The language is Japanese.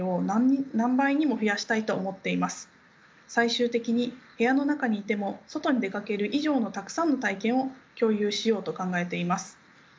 最終的に部屋の中にいても外に出かける以上のたくさんの体験を共有しようと考えています。